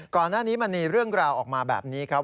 ก่อนหน้านี้มันมีเรื่องราวออกมาแบบนี้ครับ